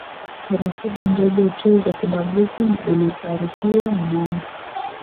Taratibu ndogo tu za kibaguzi na ilitaarifiwa mnamo